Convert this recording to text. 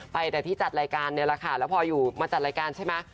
ไปแต่ที่จัดรายการเนี่ยแหละค่ะแล้วพออยู่มาจัดรายการใช่ไหม